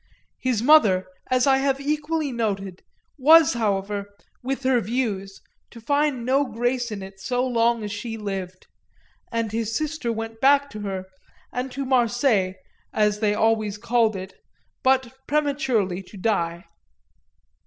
His mother, as I have equally noted, was however, with her views, to find no grace in it so long as she lived; and his sister went back to her, and to Marseille, as they always called it, but prematurely to die.